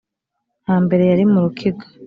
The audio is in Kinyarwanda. hambere yari mu rukiga,